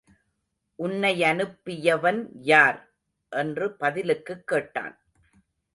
உன்னையனுப்பியவன் யார்? என்று பதிலுக்குக் கேட்டான்.